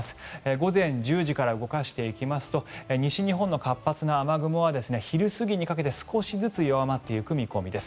午前１０時から動かしていきますと西日本の活発な雨雲は昼過ぎにかけて少しずつ弱まっていく見込みです。